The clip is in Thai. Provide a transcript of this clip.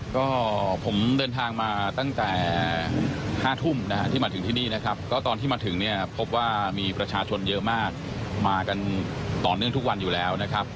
ก็ผมเดินทางมาตั้งแต่๕ทุ่มนะฮะที่มาถึงที่นี่นะครับก็ตอนที่มาถึงเนี่ยพบว่ามีประชาชนเยอะมากมากันต่อเนื่องทุกวันอยู่แล้วนะครับ